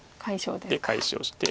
解消ですか。